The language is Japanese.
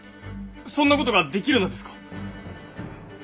そんなことができるのですか？